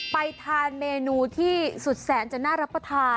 ไปทานเมนูที่สุดแสนจะน่ารับประทาน